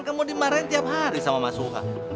kamu dimarahin tiap hari sama mas suka